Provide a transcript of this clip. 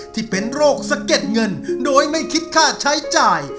ที่เป็นโรคสะเก็ดเงินโดยไม่คิดค่าใช้จ่าย